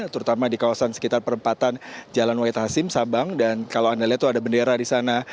terutama di kawasan sekitar perempatan jalan wahid hasim sabang dan kalau anda lihat itu ada bendera di sana